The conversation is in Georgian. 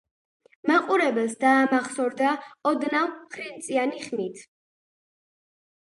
მაყურებელს დაამახსოვრდა ოდნავ ხრინწიანი ხმით.